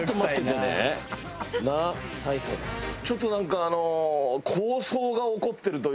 ちょっとなんかあの。